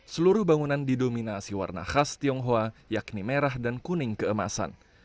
seluruh bangunan didominasi warna khas tionghoa yakni merah dan kuning keemasan